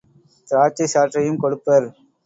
திராட்சைச் சாற்றையும் கொடுப்பர்.